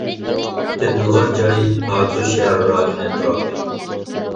تېپىلغان جاي: ئاتۇش شەھەر رايونى ئەتراپى.